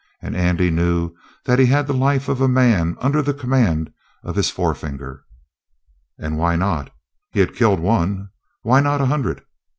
And Andy knew that he had the life of a man under the command of his forefinger. And why not? He had killed one. Why not a hundred?